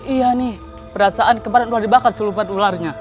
iya nih perasaan kemarin luar dibakar siluman ularnya